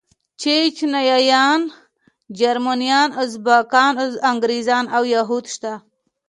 چيچنيايان، جرمنيان، ازبکان، انګريزان او يهود شته.